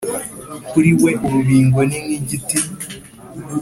kuri we urubingo ni nk'igiti: